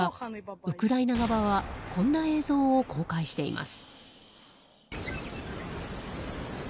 ウクライナ側はこんな映像を公開しています。